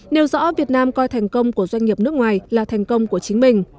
nêu rõ việt nam coi thành công của doanh nghiệp nước ngoài là thành công của chính mình